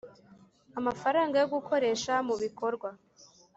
amafaranga yo gukoresha mu bikorwa